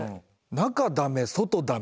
中ダメ外ダメ。